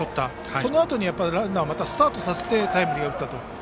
そのあとにランナーをまたスタートさせタイムリーを打った。